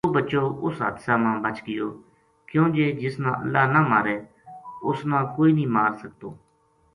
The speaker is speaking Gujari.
یوہ بچو اس حادثہ ما بَچ گیو کیوں جے جس نا اللہ نہ مارے اس نا کوئی نیہہ مار سکتو